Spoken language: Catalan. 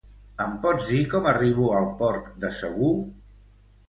Em pots dir com arribo al Port de Segur?